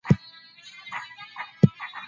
يونليکونه د څېړنې مهمې سرچينې دي.